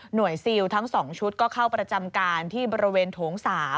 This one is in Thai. ซิลทั้ง๒ชุดก็เข้าประจำการที่บริเวณโถง๓